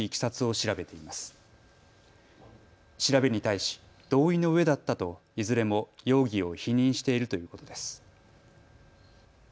調べに対し同意のうえだったといずれも容疑を否認しているということです。